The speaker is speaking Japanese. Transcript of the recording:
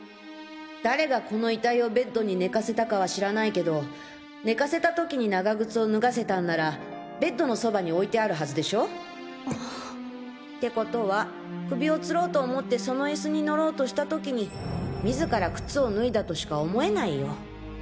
誰がこの遺体をベッドに寝かせたかは知らないけど寝かせた時に長靴を脱がせたんならベッドの傍に置いてあるはずでしょ？ってことは首を吊ろうと思ってその椅子に乗ろうとした時に自ら靴を脱いだとしか思えないよ。